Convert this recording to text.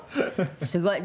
すごい。